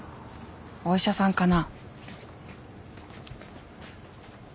お医者さんかな？